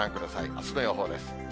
あすの予報です。